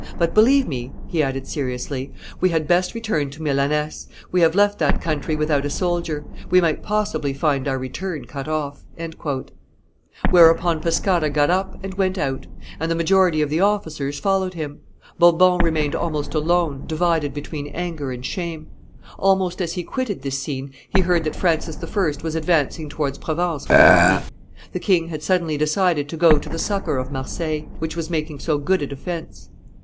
But believe me," he added seriously, "we had best return to Milaness; we have left that country without a soldier; we might possibly find our return cut off." Whereupon Pescara got up and went out; and the majority of the officers followed him. Bourbon remained almost alone, divided between anger and shame. Almost as he quitted this scene he heard that Francis I. was advancing towards Provence with an army. The king had suddenly decided to go to the succor of Marseilles, which was making so good a defence.